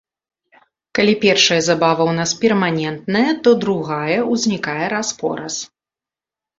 Калі першая забава ў нас перманентная, то другая ўзнікае раз-пораз.